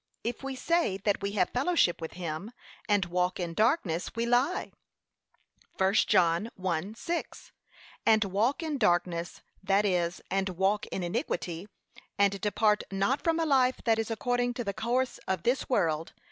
'If we say that we have fellowship with him, and walk in darkness, we lie.' (I John 1:6) 'And walk in darkness;' that is, and walk in iniquity, and depart not from a life that is according to the course of this world.